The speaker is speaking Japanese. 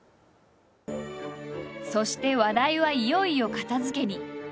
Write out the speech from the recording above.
そして話題はいよいよ片づけに。